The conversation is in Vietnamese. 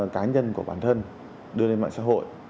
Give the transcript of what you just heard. cá nhân của bản thân đưa lên mạng xã hội